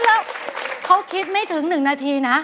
แล้วเขาคิดไม่ถึง๑นาทีนะ